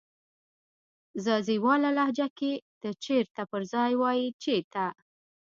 ځاځيواله لهجه کې د "چیرته" پر ځای وایې "چیته"